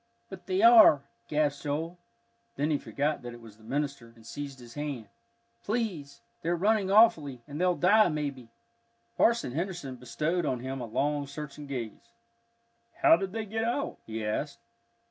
"But they are," gasped Joel. Then he forgot that it was the minister, and seized his hand. "Please they're running awfully, and they'll die, maybe." Parson Henderson bestowed on him a long searching gaze. "How did they get out?" he asked.